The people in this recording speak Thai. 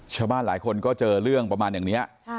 ชาวบ้านหลายคนก็เจอเรื่องประมาณอย่างนี้